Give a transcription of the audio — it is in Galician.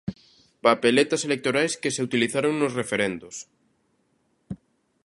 Papeletas electorais que se utilizaron nos referendos.